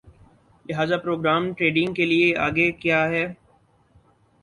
لہذا program trading کے لیے آگے کِیا ہے